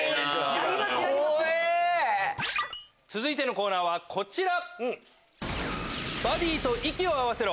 続いてのコーナーはこちら。